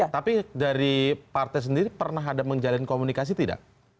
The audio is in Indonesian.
tapi dari partai sendiri pernah ada menjalin komunikasi tidak